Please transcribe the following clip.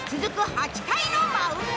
８回のマウンド